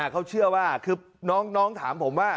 เขาเชื่อว่าคือน้องถามผมว่า